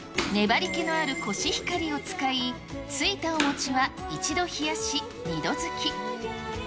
粘り気のあるコシヒカリを使い、ついたお餅は一度冷やし、２度づき。